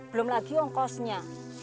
belum lagi oh kosnya